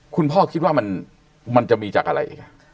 คุณพ่อคิดว่ามันจะมีจากอะไรอีก